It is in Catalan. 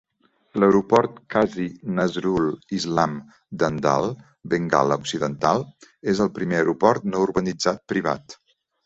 L'Aeroport Kazi Nazrul Islam d'Andal, Bengala Occidental, és el primer aeroport no urbanitzat privat.